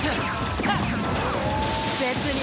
別に。